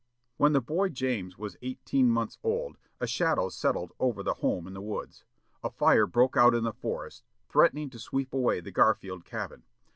When the boy James was eighteen months old, a shadow settled over the home in the woods. A fire broke out in the forest, threatening to sweep away the Garfield cabin.